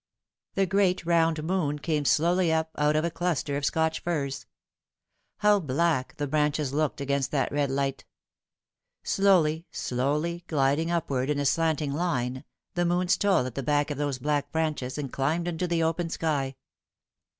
The great round moon came slowly up out of a cluster of Scotch firs. How black the branches looked against that red light I Slowly, slowly gliding upward in a slanting line, the moon stole at the back of those black branches, and climbed into the open sky.